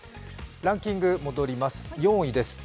ランキング戻ります、４位です。